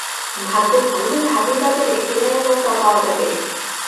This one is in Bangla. ভাগ্য ভালো হলে হাতির বাজারে কেরায়া নৌকা পাওয়া যাবে।